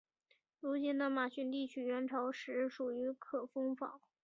如今的马甸地区元朝时属于可封坊。